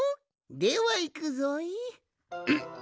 ではいくぞい。